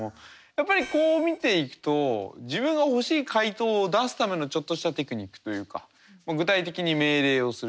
やっぱりこう見ていくと自分が欲しい回答を出すためのちょっとしたテクニックというか具体的に命令をする力